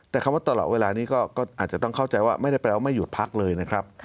แต่คำว่าตลอดเวลานี้ก็อาจจะต้องเข้าใจว่าไม่ได้แปลว่าไม่หยุดพักเลยนะครับ